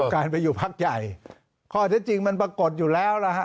การไปอยู่พักใหญ่ข้อเท็จจริงมันปรากฏอยู่แล้วนะฮะ